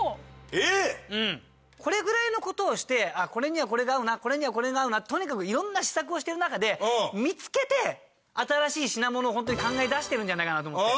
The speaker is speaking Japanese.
これぐらいの事をしてこれにはこれが合うなこれにはこれが合うなってとにかくいろんな試作をしてる中で見付けて新しい品物を本当に考え出してるんじゃないかなと思って。